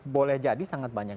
boleh jadi sangat banyak